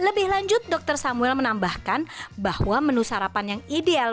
lebih lanjut dokter samuel menambahkan bahwa menu sarapan yang ideal